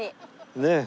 ねえ。